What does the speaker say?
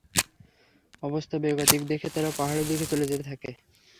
অবস্থা বেগতিক দেখে তারা পাহাড়ের দিকে চলে যেতে থাকে।